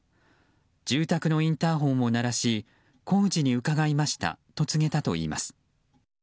住宅のインターホンを鳴らし工事に伺いましたと告げたといいます。